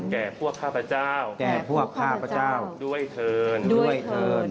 แก่พวกข้าพเจ้าแก่พวกข้าพเจ้าด้วยเถินด้วยเถิน